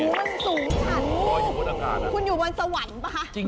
มันสูงฉันคุณอยู่บนสวรรค์หรือเปล่าคะคุณอยู่บนสวรรค์หรือเปล่าคะ